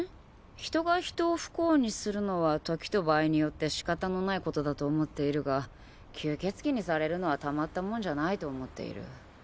人が人を不幸にするのは時と場合によって仕方のないことだと思っているが吸血鬼にされるのはたまったもんじゃないと思っている。